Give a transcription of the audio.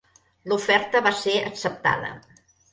L'oferta va ser acceptada.